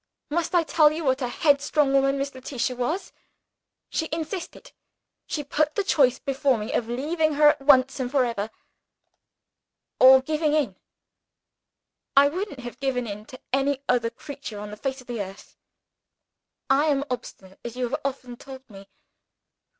Must I tell you what a headstrong woman Miss Letitia was? She insisted. She put the choice before me of leaving her at once and forever or giving in. I wouldn't have given in to any other creature on the face of this earth. I am obstinate, as you have often told me.